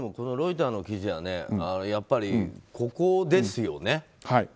ロイターの記事はやっぱりここですよね。